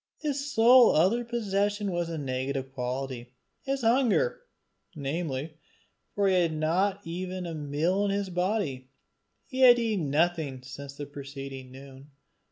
His sole other possession was a negative quantity his hunger, namely, for he had not even a meal in his body: he had eaten nothing since the preceding noon.